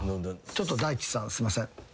ちょっと大地さんすいません。